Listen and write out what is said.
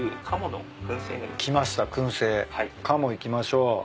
カモいきましょう。